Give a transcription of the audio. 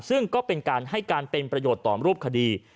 ซึ่งก็เป็นการให้การเป็นประโยชน์ต่อรูปคดี